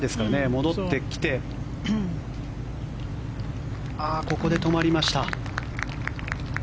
戻ってきてここで止まりました。